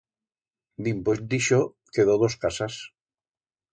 Dimpués d'ixo quedó dos casas.